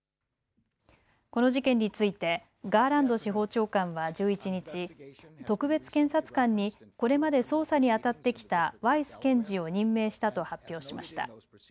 この事件についてガーランド司法長官は１１日、特別検察官にこれまで捜査にあたってきたワイス検事を任命したと発表しました。